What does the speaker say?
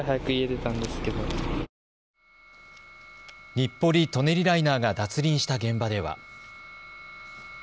日暮里・舎人ライナーが脱輪した現場では。